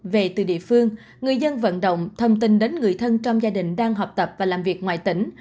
về từ địa phương người dân vận động thông tin đến người thân trong gia đình đang học tập và làm việc ngoài tỉnh